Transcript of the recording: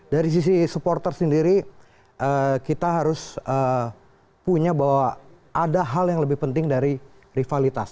dari sisi supporter sendiri kita harus punya bahwa ada hal yang lebih penting dari rivalitas